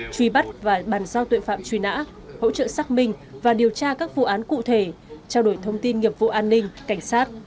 truy bắt và bàn giao tội phạm truy nã hỗ trợ xác minh và điều tra các vụ án cụ thể trao đổi thông tin nghiệp vụ an ninh cảnh sát